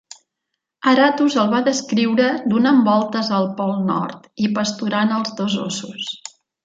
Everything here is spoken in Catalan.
Aratus el va descriure donant voltes al pol nord, i pasturant els dos óssos.